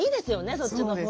そっちのほうが。